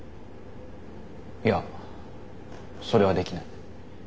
いやそれはできない。